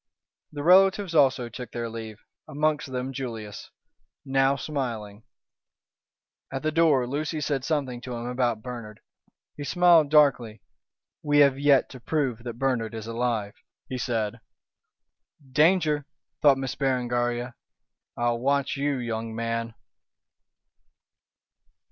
The relatives also took their leave, amongst them Julius, now smiling. At the door Lucy said something to him about Bernard. He smiled darkly. "We have yet to prove that Bernard is alive," he said. "Danger!" thought Miss Berengaria. "I'll watch you, young man."